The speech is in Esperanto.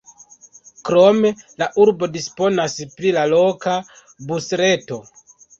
Krome la urbo disponas pri loka busreto.